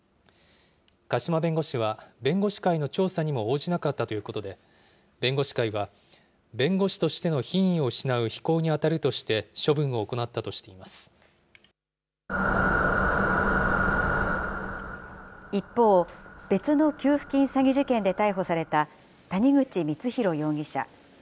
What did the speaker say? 加島弁護士は、弁護士会の調査にも応じなかったということで、弁護士会は、弁護士としての品位を失う非行に当たるとして、処分を行ったとし一方、別の給付金詐欺事件で逮捕された谷口光弘容疑者。